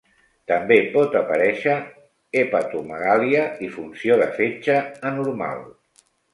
També pot aparèixer hepatomegàlia i funció de fetge anormal.